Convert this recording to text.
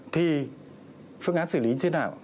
thì phương án xử lý như thế nào